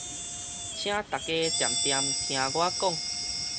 請逐家恬恬聽我講